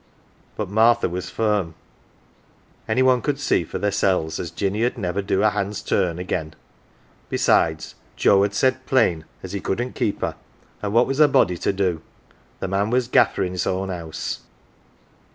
But Martha was firm. Any one could see for theirsePs as Jinny 'ud niver do a hand's turn again. Besides, Joe had said plain as he couldn't keep her, an' what was a body to do ? The man w r as gaffer in's own house.